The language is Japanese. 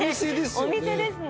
お店ですね。